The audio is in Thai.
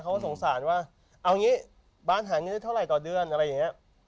เขาก็สงสารว่าเอางี้บ้านหาเงินได้เท่าไหร่ต่อเดือนอะไรอย่างนี้